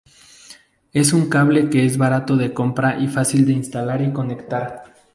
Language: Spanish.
Es un cable que es barato de compra y fácil de instalar y conectar.